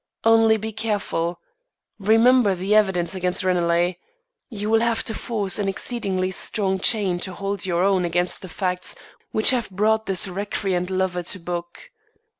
Only be careful. Remember the evidence against Ranelagh. You will have to forge an exceedingly strong chain to hold your own against the facts which have brought this recreant lover to book.